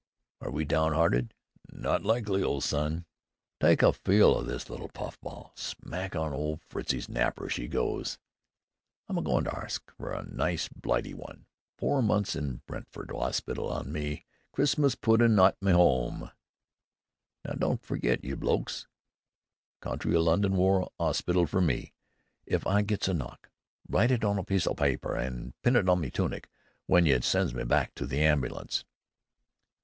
"Are we downhearted? Not likely, old son!" "Tyke a feel o' this little puffball! Smack on old Fritzie's napper she goes!" "I'm a go'n' to arsk fer a nice Blightey one! Four months in Brentford 'ospital an' me Christmas puddin' at 'ome!" "Now, don't ferget, you blokes! County o' London War 'Ospital fer me if I gets a knock! Write it on a piece o' pyper an' pin it to me tunic w'en you sends me back to the ambulance."